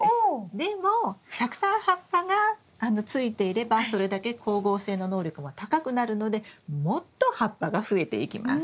でもたくさん葉っぱがついていればそれだけ光合成の能力も高くなるのでもっと葉っぱが増えていきます。